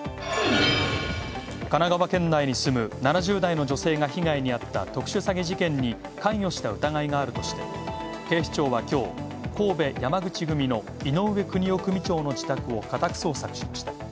神奈川県内に住む７０代の女性が被害にあった特殊詐欺事件に関与した疑いがあるとして、警視庁はきょう、神戸山口組の井上邦雄組長の自宅を家宅捜索しました。